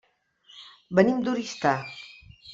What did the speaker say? Venim d'Oristà.